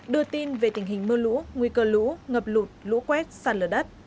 đưa tin về tình hình mưa lũ nguy cơ lũ ngập lụt lũ quét sản lửa đất